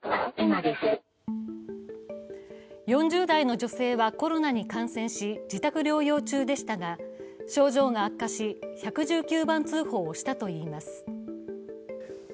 ４０代の女性はコロナに感染し、自宅療養中でしたが症状が悪化し、１１９番通報をしたといいます。